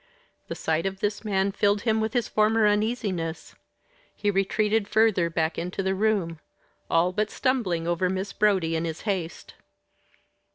The sight of this man filled him with his former uneasiness. He retreated further back into the room all but stumbling over Miss Brodie in his haste.